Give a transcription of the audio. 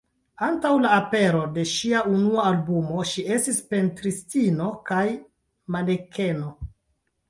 Antaŭ la apero de ŝia unua albumo, ŝi estis pentristino kaj manekeno.